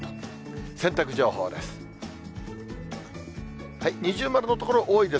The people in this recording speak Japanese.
洗濯情報です。